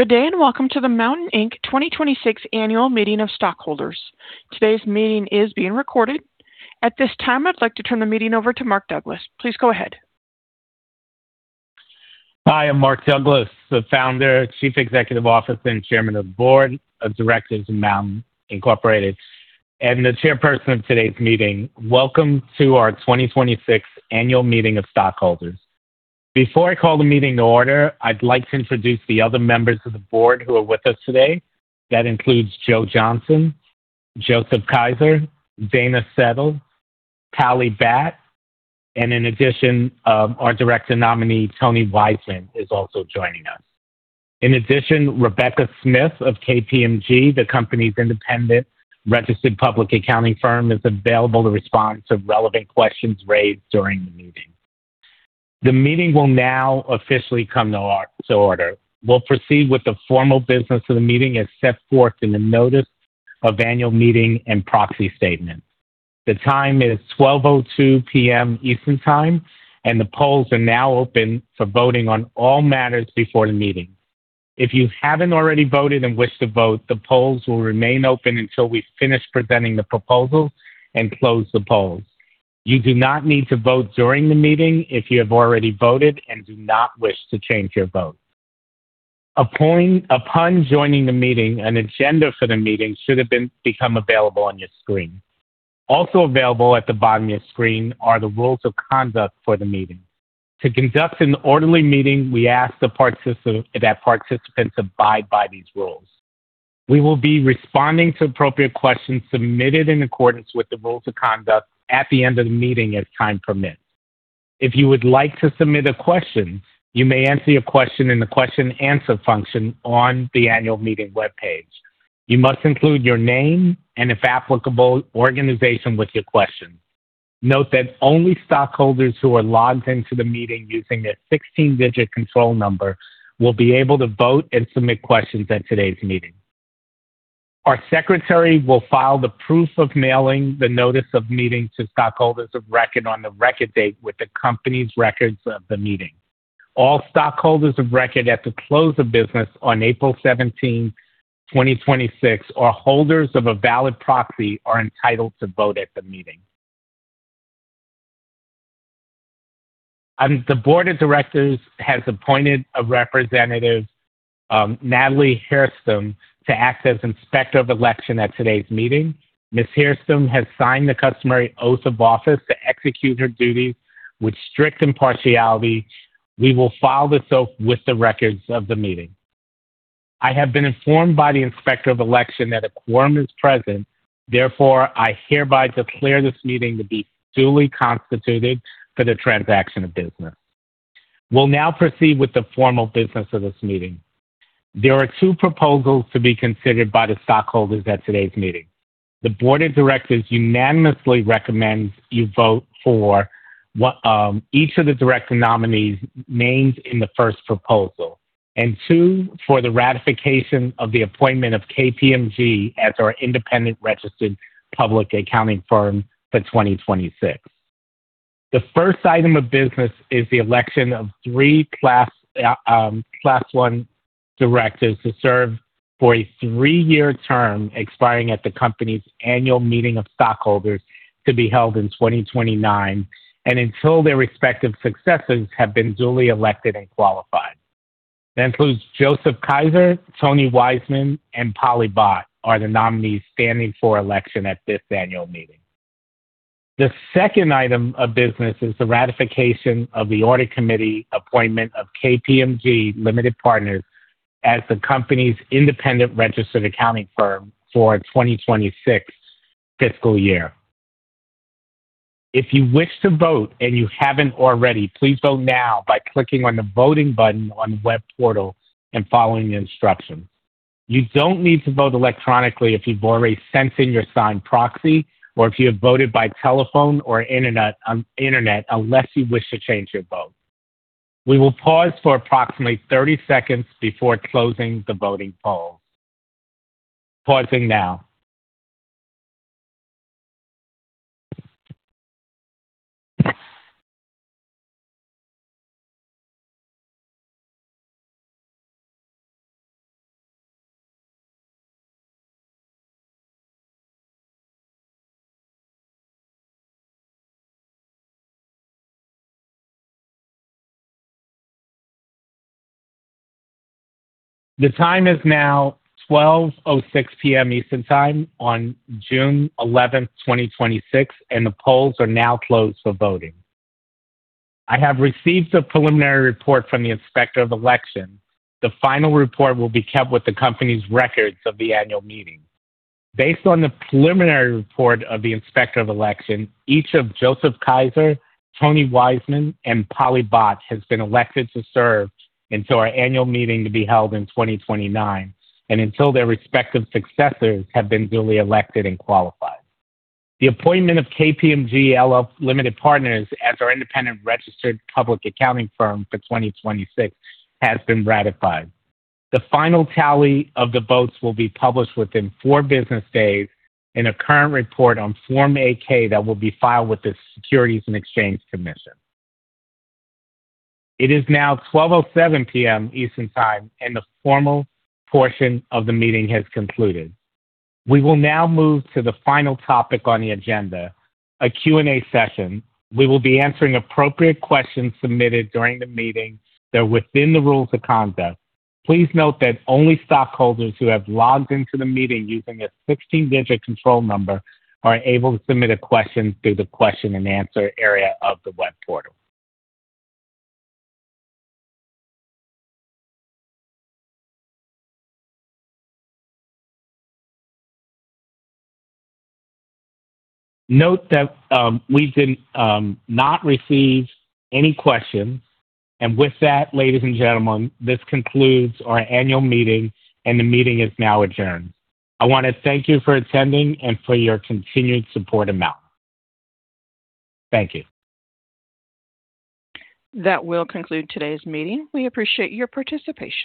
Good day, welcome to the MNTN, Inc. 2026 Annual Meeting of Stockholders. Today's meeting is being recorded. At this time, I'd like to turn the meeting over to Mark Douglas. Please go ahead. Hi, I'm Mark Douglas, the founder, chief executive officer, and chairman of the board of directors of MNTN Incorporated, and the chairperson of today's meeting. Welcome to our 2026 Annual Meeting of Stockholders. Before I call the meeting to order, I'd like to introduce the other members of the board who are with us today. That includes Joe Johnson, Joseph Ceseña, Dana Settle, Pali Bhat, in addition, our director nominee, Tony Weisman, is also joining us. In addition, Rebecca Smith of KPMG, the company's independent registered public accounting firm, is available to respond to relevant questions raised during the meeting. The meeting will now officially come to order. We'll proceed with the formal business of the meeting as set forth in the notice of annual meeting and proxy statement. The time is 12:02 P.M. Eastern Time, the polls are now open for voting on all matters before the meeting. If you haven't already voted and wish to vote, the polls will remain open until we finish presenting the proposal and close the polls. You do not need to vote during the meeting if you have already voted and do not wish to change your vote. Upon joining the meeting, an agenda for the meeting should have become available on your screen. Also available at the bottom of your screen are the rules of conduct for the meeting. To conduct an orderly meeting, we ask that participants abide by these rules. We will be responding to appropriate questions submitted in accordance with the rules of conduct at the end of the meeting, as time permits. If you would like to submit a question, you may enter your question in the question answer function on the annual meeting webpage. You must include your name and, if applicable, organization with your question. Note that only stockholders who are logged into the meeting using their 16-digit control number will be able to vote and submit questions at today's meeting. Our secretary will file the proof of mailing the notice of meeting to stockholders of record on the record date with the company's records of the meeting. All stockholders of record at the close of business on April 17, 2026, or holders of a valid proxy are entitled to vote at the meeting. The board of directors has appointed a representative, Natalie Hairston, to act as Inspector of Election at today's meeting. Ms. Hairston has signed the customary oath of office to execute her duties with strict impartiality. We will file this oath with the records of the meeting. I have been informed by the Inspector of Election that a quorum is present, therefore, I hereby declare this meeting to be duly constituted for the transaction of business. We'll now proceed with the formal business of this meeting. There are two proposals to be considered by the stockholders at today's meeting. The board of directors unanimously recommends you vote for each of the director nominees' names in the first proposal, and two, for the ratification of the appointment of KPMG as our independent registered public accounting firm for 2026. The first item of business is the election of three class 1 directors to serve for a three-year term expiring at the company's annual meeting of stockholders to be held in 2029 and until their respective successors have been duly elected and qualified. That includes Joseph Kaiser, Tony Weisman, and Pali Bhat are the nominees standing for election at this annual meeting. The second item of business is the ratification of the audit committee appointment of KPMG Limited Partners as the company's independent registered accounting firm for 2026 fiscal year. If you wish to vote and you haven't already, please vote now by clicking on the voting button on the web portal and following the instructions. You don't need to vote electronically if you've already sent in your signed proxy or if you have voted by telephone or on internet, unless you wish to change your vote. We will pause for approximately 30 seconds before closing the voting polls. Pausing now. The time is now 12:06 P.M. Eastern Time on June 11th, 2026, and the polls are now closed for voting. I have received a preliminary report from the Inspector of Election. The final report will be kept with the company's records of the annual meeting. Based on the preliminary report of the Inspector of Election, each of Joseph Kaiser, Tony Weisman, and Pali Bhat has been elected to serve until our annual meeting to be held in 2029 and until their respective successors have been duly elected and qualified. The appointment of KPMG Limited Partners as our independent registered public accounting firm for 2026 has been ratified. The final tally of the votes will be published within four business days in a current report on Form 8-K that will be filed with the Securities and Exchange Commission. It is now 12:07 P.M. Eastern Time, and the formal portion of the meeting has concluded. We will now move to the final topic on the agenda, a Q&A session. We will be answering appropriate questions submitted during the meeting that are within the rules of conduct. Please note that only stockholders who have logged into the meeting using a 16-digit control number are able to submit a question through the question and answer area of the web portal. Note that we did not receive any questions. With that, ladies and gentlemen, this concludes our annual meeting, and the meeting is now adjourned. I want to thank you for attending and for your continued support of MNTN. Thank you. That will conclude today's meeting. We appreciate your participation.